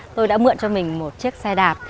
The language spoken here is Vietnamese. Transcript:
tôi đã mượn cho mình một chiếc xe đạp